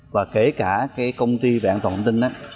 và kể cả cái công ty về an toàn thông tin